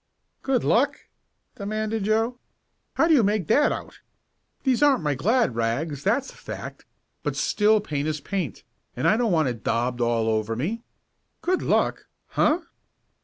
"Good luck?" demanded Joe. "How do you make that out? These aren't my glad rags, that's a fact, but still paint is paint, and I don't want it daubed all over me. Good luck? Huh!"